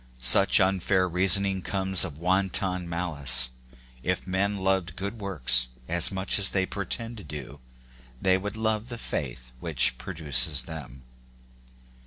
Such unfair reason ing comes of wanton malice : if men loved good works as much as they pretend to do, they would love the faith which produces them.